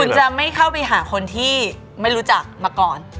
คุณจะไม่เข้าไปหาคนที่ไม่รู้จักมาก่อน